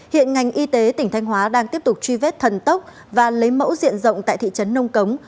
hiện ngành y tế tỉnh thanh hóa đang tiếp tục truy vết thần tốc và lấy mẫu diện rộng tại thị trấn nông cống